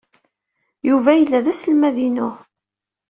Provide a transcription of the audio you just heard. Yuba yella d aselmad-inu.